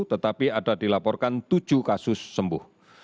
tetapi ada dilaporkan tujuh kasus sembuh